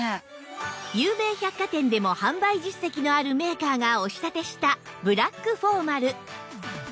有名百貨店でも販売実績のあるメーカーがお仕立てしたブラックフォーマル